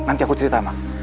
nanti aku cerita ma